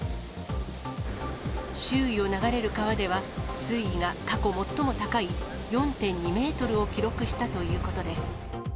周囲を流れる川では、水位が過去最も高い４．２メートルを記録したということです。